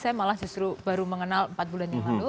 saya malah justru baru mengenal empat bulan yang lalu